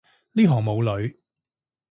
呢行冇女